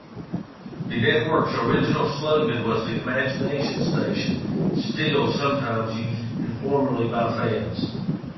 The network's original slogan was "The Imagination Station", still sometimes used informally by fans.